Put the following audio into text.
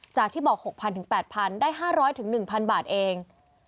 จากที่บอก๖๐๐๐ถึง๘๐๐๐ได้๕๐๐ถึง๑๐๐๐บาทเอง